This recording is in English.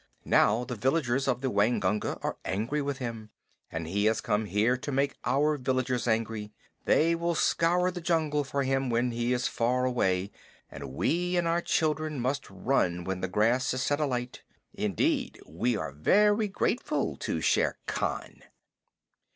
Now the villagers of the Waingunga are angry with him, and he has come here to make our villagers angry. They will scour the jungle for him when he is far away, and we and our children must run when the grass is set alight. Indeed, we are very grateful to Shere Khan!"